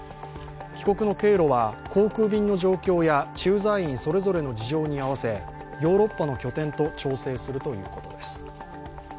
帰国の経路は航空便の状況や駐在員、それぞれの事情に合わせ、ヨーロッパの拠点と調整するということです。